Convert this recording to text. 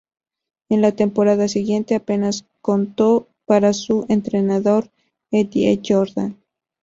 En la temporada siguiente apenas contó para su entrenador, Eddie Jordan.